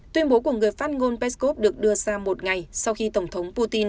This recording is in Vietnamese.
tuyên bố của người phát ngôn peskov được đưa ra một ngày sau khi tổng thống putin